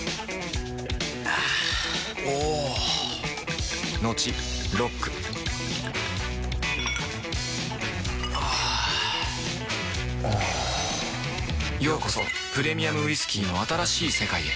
あぁおぉトクトクあぁおぉようこそプレミアムウイスキーの新しい世界へ